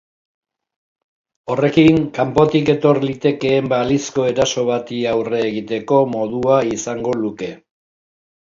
Horrekin kanpotik etor litekeen balizko eraso bati aurre egiteko modua izango luke.